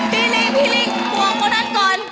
พี่ลิคพี่ลิคปวงคนด้านก่อน